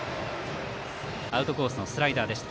アウトコースのスライダーでした。